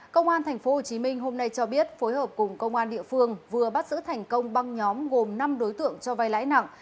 công an tp hcm hôm nay cho biết phối hợp cùng công an địa phương vừa bắt giữ thành công băng nhóm gồm năm đối tượng cho vai lãi nặng